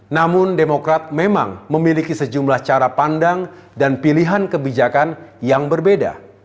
namun demokrat memang memiliki sejumlah cara pandang dan pilihan kebijakan yang berbeda